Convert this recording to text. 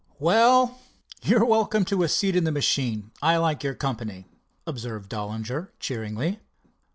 "Well, you're welcome to a seat in the machine. I like your company," observed Dollinger cheeringly.